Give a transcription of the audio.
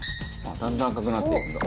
「だんだん赤くなっていくんだ。